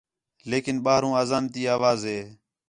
لیکن ٻاہروں آذان تی آواز ہے